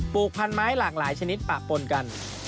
พันไม้หลากหลายชนิดปะปนกัน